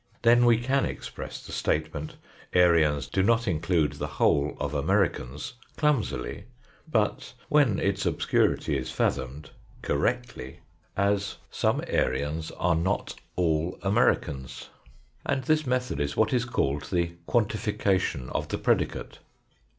Then we can express the statement, " Aryans do not include the whole of Americans," clumsily, but, when its obscurity is fathomed, correctly, as " Some Aryans are not all 106 THE FOURTH DIMENSION Americans." And this method is what is called the " quantification of the predicate."